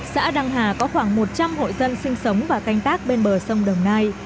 xã đăng hà có khoảng một trăm linh hội dân sinh sống và canh tác bên bờ sông đồng nai